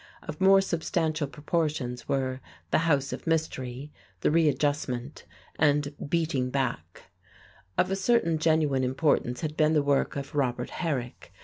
Of more substantial proportions were "The House of Mystery," "The Readjustment" and "Beating Back." [Illustration: ROBERT HERRICK] Of a certain genuine importance has been the work of Robert Herrick.